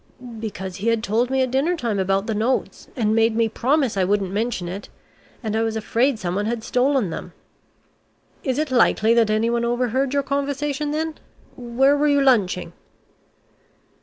"Because he had told me at dinner time about the notes, and made me promise I wouldn't mention it, and I was afraid someone had stolen them." "Is it likely that anyone overheard your conversation then? Where were you lunching?"